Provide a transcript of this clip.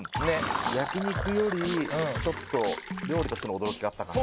焼き肉よりちょっと料理としての驚きがあったかな。